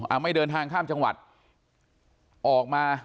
เอาไม่เดินทางข้ามจังหวัดออกมา